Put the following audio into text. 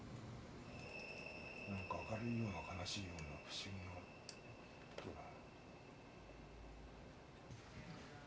何か明るいような悲しいような不思議な音だな。